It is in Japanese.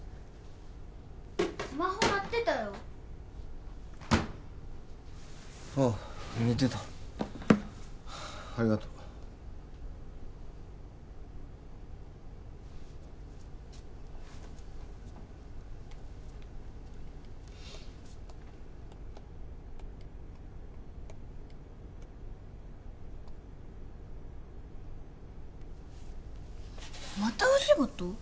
スマホ鳴ってたよああ寝てたありがとうまたお仕事？